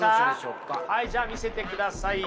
はいじゃあ見せてください。